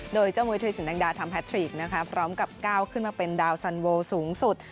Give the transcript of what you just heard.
โดยเจ้ามุยธุรสินแดงดาทำแททริกนะคะพร้อมกับก้าวขึ้นมาเป็นดาวสันโวสูงสุด